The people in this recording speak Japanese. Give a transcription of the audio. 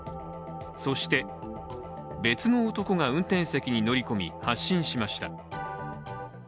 そして、別の男が運転席に乗り込み、発進しました。